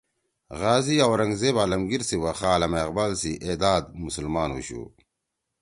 غازی اورنگ زیب عالمگیر سی وخا علامہ اقبال سی اے داد مسلمان ہُوشُو